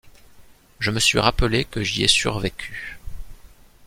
Je me suis rappelé que j’y ai survécu.